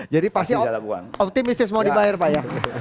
jadi pasti optimistis mau dibayar pak ya